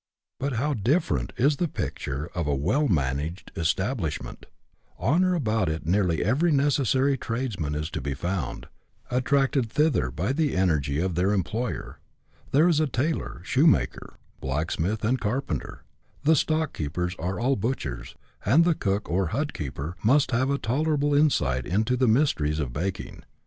But how different is the picture of a well managed establishment ! On or about it nearly every necessary tradesman is to be found, attracted thither by the energy of their employer. There is a tailor, shoemaker, blacksmith, and carpenter; the stock keepers are all butchers, and the cook or hut keeper must also have a tolerable insight into the mysteries of baking.